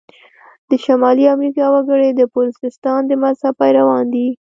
د شمالي امریکا وګړي د پروتستانت د مذهب پیروان دي.